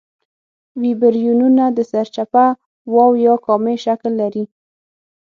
ویبریونونه د سرچپه واو یا کامي شکل لري.